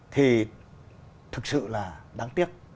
thì thực sự là đáng tiếc